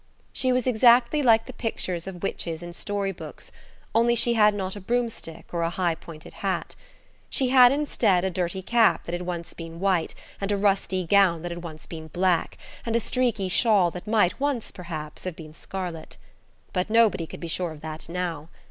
She was exactly like the pictures of witches in story books, only she had not a broomstick or a high pointed hat. She had instead a dirty cap that had once been white, and a rusty gown that had once been black, and a streaky shawl that might once, perhaps, have been scarlet. But nobody could be sure of that now.